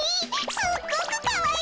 すっごくかわいい！